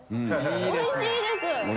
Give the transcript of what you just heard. おいしいです！